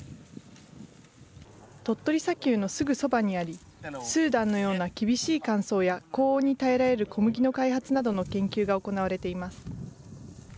鳥取砂丘のすぐそばにあり、スーダンのような厳しい乾燥や高温に耐えられる小麦の開発などの研究が行われています。